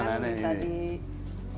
bisa di pantau